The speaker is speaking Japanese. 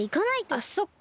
あっそっか。